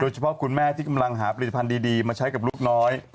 เฉพาะคุณแม่ที่กำลังหาผลิตภัณฑ์ดีมาใช้กับลูกน้อย